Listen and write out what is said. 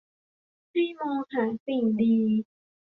ให้มองหาสิ่งดี